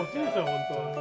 本当は。